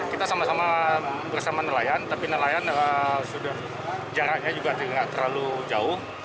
kita sama sama bersama nelayan tapi nelayan sudah jaraknya juga tidak terlalu jauh